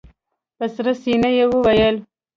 په سړه سينه يې وويل.